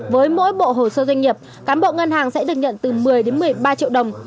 với mỗi bộ hồ sơ doanh nghiệp cán bộ ngân hàng sẽ được nhận từ một mươi một mươi ba triệu đồng